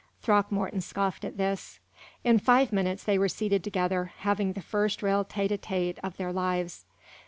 Throckmorton scoffed at this. In five minutes they were seated together, having the first real tête à tête of their lives.